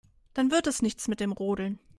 Dann wird es nichts mit dem Rodeln.